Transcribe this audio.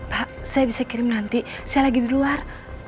pak saya bisa kirim nanti saya lagi di luar